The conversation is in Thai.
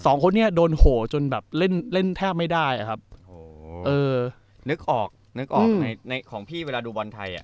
สองคนนี้โดนโหจนแบบเล่นเล่นแทบไม่ได้อะครับโอ้โหเออนึกออกนึกออกในในของพี่เวลาดูบอลไทยอ่ะ